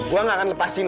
gue gak akan lepasin lo